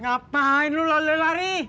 ngapain lu lalu lalu lari